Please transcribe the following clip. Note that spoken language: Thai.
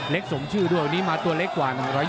สมชื่อด้วยวันนี้มาตัวเล็กกว่า๑๒